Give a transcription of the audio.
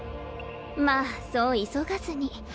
まぁそう急がずに。